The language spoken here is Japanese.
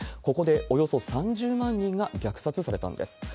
ここでおよそ３０万人が虐殺されたんです。